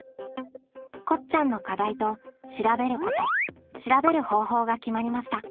こっちゃんの「課題」と「調べること」「調べる方法」が決まりました。